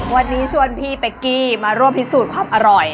วันนี้ชวนพี่เป๊กกี้มาร่วมพิสูจน์ความอร่อย